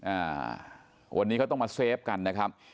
อ่าวันนี้เขาต้องมาเซฟกันนะครับ